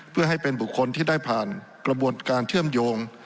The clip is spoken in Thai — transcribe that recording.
เพื่อให้เป็นบุคคลที่ได้ผ่านกระบวนการเชื่อมโยง